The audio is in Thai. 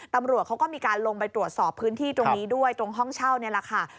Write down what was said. ตำรวจเขาก็มีการลงไปตรวจสอบพื้นที่ตรงนี้ด้วยตรงห้องเช่านี่แหละค่ะ